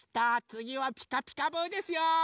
つぎは「ピカピカブ！」ですよ。